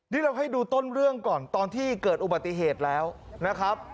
นี่เราให้ดูต้นเรื่องก่อนตอนที่เกิดอุบัติเหตุแล้วนะครับ